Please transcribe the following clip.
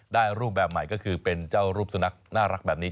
รูปแบบใหม่ก็คือเป็นเจ้ารูปสุนัขน่ารักแบบนี้